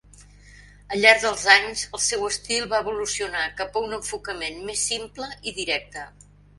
Al llarg dels anys el seu estil va evolucionar cap a un enfocament més simple i directe.